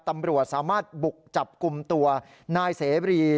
ตำรวจสามารถบุกจับกลุ่มตัวนายเสรี